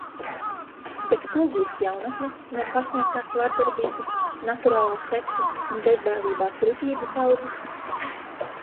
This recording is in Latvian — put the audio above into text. Bet ko gūst jaunatne no pasniegtās vardarbības, naturālā seksa un bezgalīgas rupjību kaudzes?